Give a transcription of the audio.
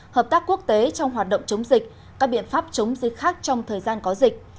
hợp tác quốc tế trong hoạt động chống dịch các biện pháp chống dịch khác trong thời gian có dịch